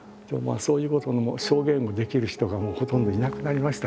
そういうことの証言をできる人がもうほとんどいなくなりましたから。